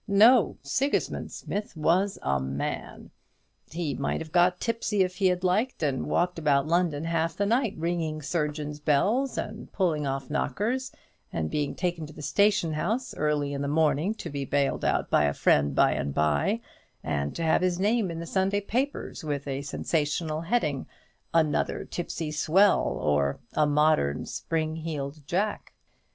No; Sigismund Smith was a MAN. He might have got tipsy if he had liked, and walked about London half the night, ringing surgeons' bells, and pulling off knockers, and being taken to the station house early in the morning, to be bailed out by a friend by and by, and to have his name in the Sunday papers, with a sensational heading, "Another tipsy swell," or "A modern spring heeled Jack."